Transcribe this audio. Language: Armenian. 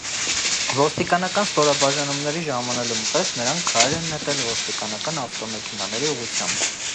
Ոստիկանական ստորաբաժանումների ժամանելուն պես նրանք քարեր են նետել ոստիկանական ավտոմեքենաների ուղղությամբ։